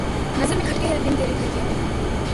نظر میں کھٹکے ہے بن تیرے گھر کی آبادی